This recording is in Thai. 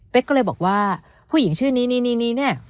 เป๊กก็เลยบอกว่าผู้หญิงชื่อนี้นี้นี้นี้เนี้ย